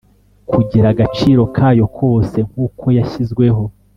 kugira agaciro kayo kose nk uko yashyizweho